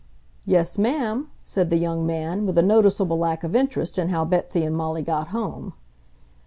"Yes, ma'am," said the young man, with a noticeable lack of interest in how Betsy and Molly got home.